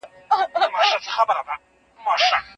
دوی به په خپلو تېروتنو باندي پښېماني ښودله او اصلاح به یې کوله.